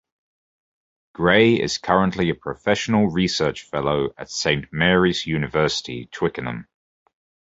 Grey is currently a professorial research fellow at Saint Mary's University, Twickenham.